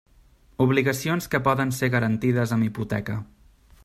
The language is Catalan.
Obligacions que poden ser garantides amb hipoteca.